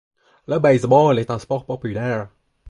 Le baseball est un sport populaire.